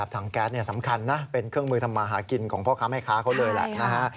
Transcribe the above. ถังแก๊สสำคัญนะเป็นเครื่องมือทำมาหากินของพ่อค้าแม่ค้าเขาเลยแหละนะฮะ